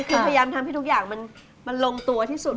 คือพยายามทำให้ทุกอย่างมันลงตัวที่สุด